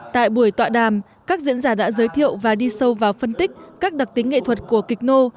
tại buổi tọa đàm các diễn giả đã giới thiệu và đi sâu vào phân tích các đặc tính nghệ thuật của kịch nô